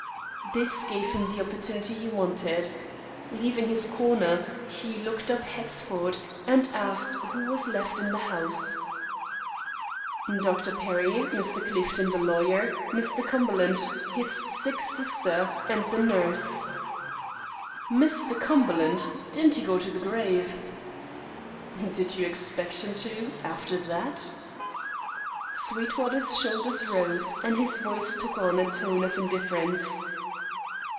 This gave him the opportunity he wanted. Leaving his corner, he looked up Hexford, and asked who was left in the house. "Dr. Perry, Mr. Clifton, the lawyer, Mr. Cumberland, his sick sister, and the nurse." "Mr. Cumberland! Didn't he go to the grave?" "Did you expect him to, after that?" Sweetwater's shoulders rose, and his voice took on a tone of indifference.